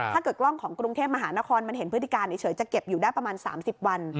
กล้องของกรุงเทพมหานครมันเห็นพฤติการเฉยจะเก็บอยู่ได้ประมาณ๓๐วัน